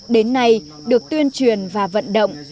đến nay được tuyên truyền và vận động